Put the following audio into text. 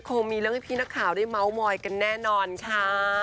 คงมีเรื่องให้พี่นักข่าวได้เมาส์มอยกันแน่นอนค่ะ